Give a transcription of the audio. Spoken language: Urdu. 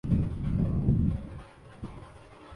تو کشمیر کے مسئلے پر ہم کیوں یہ توقع رکھتے ہیں۔